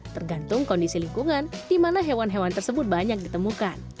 tergantung kondisi lingkungan di mana hewan hewan tersebut banyak ditemukan